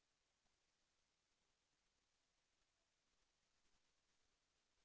แสวได้ไงของเราก็เชียนนักอยู่ค่ะเป็นผู้ร่วมงานที่ดีมาก